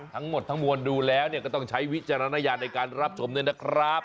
ทั้งหมดทั้งมวลดูแล้วก็ต้องใช้วิจารณญาณในการรับชมด้วยนะครับ